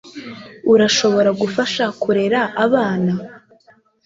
urashobora gufasha kurera abana